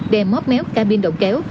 đè móp méo cabin đầu kéo